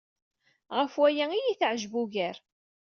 Ɣef waya ay iyi-teɛjeb ugar.